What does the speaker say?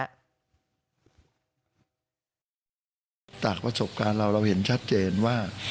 จากประสบการณ์เราเราเห็นชัดเจนว่า